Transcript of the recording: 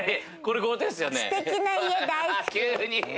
すてきな家、大好き！